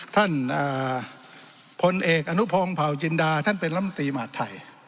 ท่านพลเอกอนุพงศ์เผาจินดาท่านเป็นลำตีหมาดไทย